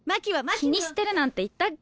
気にしてるなんて言ったっけ？